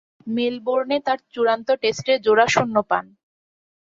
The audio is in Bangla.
মেলবোর্নে তার চূড়ান্ত টেস্টে জোড়া শূন্য পান।